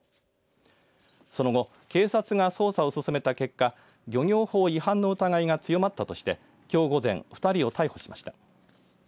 その後、警察が捜査を進めた結果漁業法違反の疑いが強まったとしてきょう午前２人を逮捕しました。